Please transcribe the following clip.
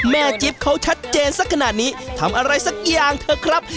จิ๊บเขาชัดเจนสักขนาดนี้ทำอะไรสักอย่างเถอะครับ